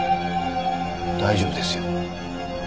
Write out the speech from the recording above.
大丈夫ですよ。